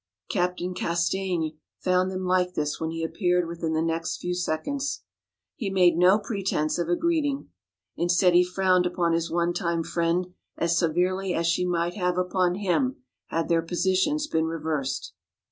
Captain Castaigne found them like this when he appeared within the next few seconds. He made no pretence of a greeting. Instead he frowned upon his one time friend as severely as she might have upon him had their positions been reversed.